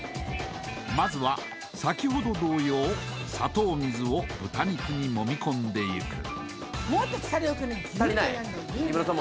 まずは先ほど同様砂糖水を豚肉に揉み込んでいく木村さん